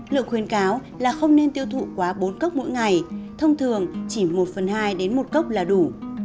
lượng khuyến cáo là không nên tiêu thụ quá bốn cốc mỗi ngày thông thường chỉ một phần hai đến một cốc là đủ